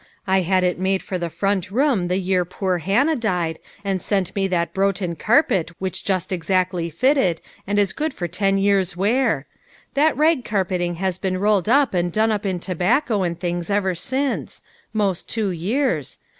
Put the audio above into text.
I had it made for the front room the year poor Hannah died, and sent me that boughten carpet which just exactly fitted, and is good for ten years' wear. That rag carpeting has been rolled up and done up in tobacco and things ever since most two years.